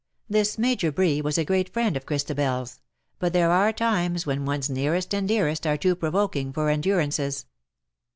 This Major Bree was a great friend of ChristabeFs; but there are times when one^s nearest and dearest are too provoking for endurances.